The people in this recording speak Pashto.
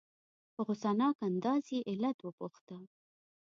په غصناک انداز یې علت وپوښته.